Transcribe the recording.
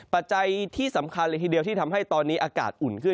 ปัจจัยที่สำคัญเลยทีเดียวที่ทำให้ตอนนี้อากาศอุ่นขึ้น